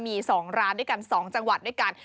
มี๒ร้านด้วยกัน๒จังหวัดด้วยกัน